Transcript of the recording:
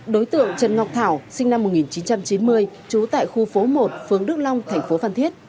đối tượng trần ngọc thảo sinh năm một nghìn chín trăm chín mươi trú tại khu phố một phương đức long thành phố phan thiết